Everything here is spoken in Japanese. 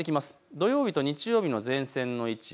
土曜日と日曜日の前線の位置。